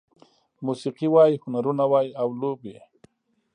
موسيقي وای، هنرونه وای او لوبې